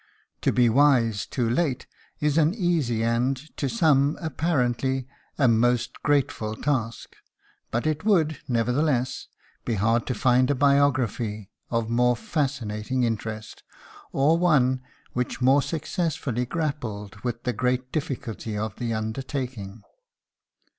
To be wise too late is an easy and, to some apparently, a most grateful task; but it would, nevertheless, be hard to find a biography of more fascinating interest, or one which more successfully grappled with the great difficulty of the undertaking.